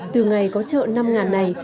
từ ngày có chợ năm này